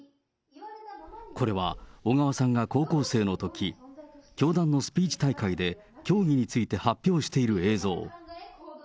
これは小川さんが高校生のとき、教団のスピーチ大会で教義について発表している映像。